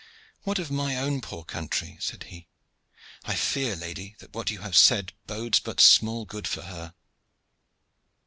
"What of my own poor country?" said he. "I fear, lady, that what you have said bodes but small good for her."